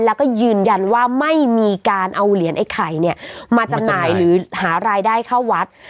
แล้วก็ยืนยันว่าไม่มีการเอาเหรียญไอ้ไข่เนี่ยมาจำหน่ายหรือหารายได้เข้าวัด